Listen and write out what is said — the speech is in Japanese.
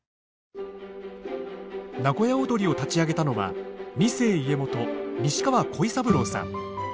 名古屋をどりを立ち上げたのは二世家元西川鯉三郎さん。